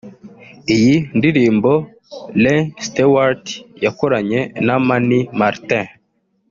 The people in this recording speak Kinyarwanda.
Iyi ndirimbo Iain Stewart yakoranye na Mani Martin